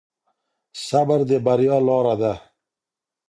صبر د بريا لاره ده.